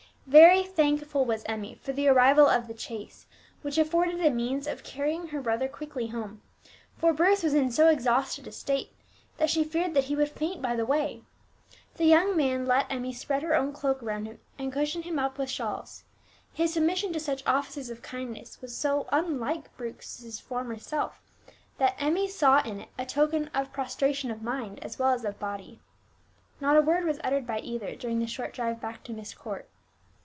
Very thankful was Emmie for the arrival of the chaise, which afforded a means of carrying her brother quickly home; for Bruce was in so exhausted a state that she feared that he would faint by the way. The young man let Emmie spread her own cloak around him, and cushion him up with shawls; his submission to such offices of kindness was so unlike Bruce's former self, that Emmie saw in it a token of prostration of mind as well as of body. Not a word was uttered by either during the short drive back to Myst Court.